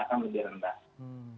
kelebihan dari investasi emas digital ini